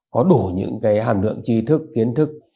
có đủ những hàm lượng trí thức kiến thức